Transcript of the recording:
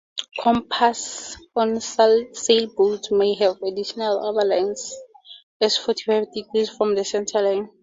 Compasses on sailboats may have additional lubber lines at forty-five degrees from the centerline.